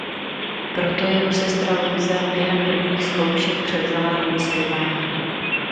Proto jeho sestra Luisa během prvních zkoušek převzala roli zpěváka.